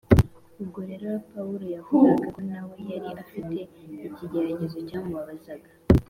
Ubwo rero Pawulo yavugaga ko na we yari afite ikigeragezo cyamubabazaga